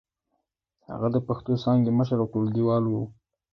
هغه د پښتو څانګې مشر او ټولګيوال و.